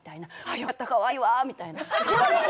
よかったかわいいわみたいな。